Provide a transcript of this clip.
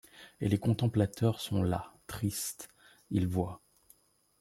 Et les contemplateurs sont la. Tristes, ils voient.